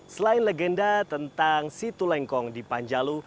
selain legenda tentang situlengkong di panjalu